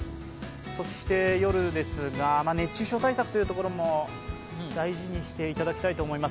そして夜ですが、熱中症対策というところも大事にしていただきたいと思います。